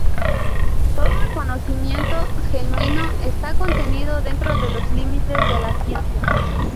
Todo el conocimiento genuino está contenido dentro de los límites de la ciencia".